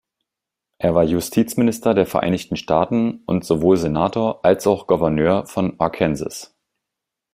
Er war Justizminister der Vereinigten Staaten und sowohl Senator, als auch Gouverneur von Arkansas.